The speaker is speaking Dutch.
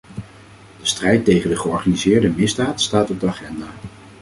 De strijd tegen de georganiseerde misdaad staat op de agenda.